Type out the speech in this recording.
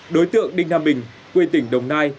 đối tượng đinh nam bình quê tỉnh đồng nai